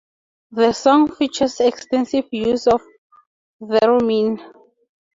The song features extensive use of theremin.